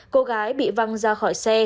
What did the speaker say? cô gái bị văng ra khỏi xe